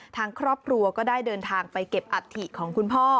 ทางครอบครัวก็ได้เดินทางไปเก็บอัฐิของคุณพ่อ